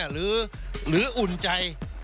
หรืออุ่นใจ